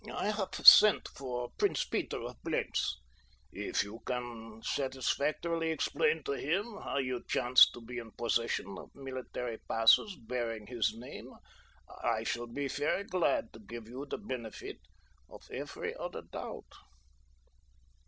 I have sent for Prince Peter of Blentz. If you can satisfactorily explain to him how you chance to be in possession of military passes bearing his name I shall be very glad to give you the benefit of every other doubt."